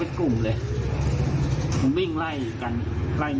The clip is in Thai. พอเปิดกล้องวงจรปิดรู้เลยโอ้โหพวกนี้มันตัวร้ายจริง